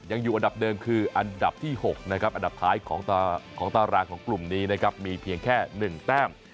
ยังอยู่อันดับเดิมคืออันดับที่๖นะครับอันดับท้ายของตารางของกลุ่มนี้นะครับมีเพียงแค่๑แต้ม